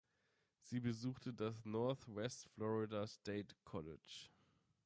Sie besuchte das Northwest Florida State College.